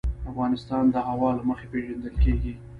افغانستان د هوا له مخې پېژندل کېږي.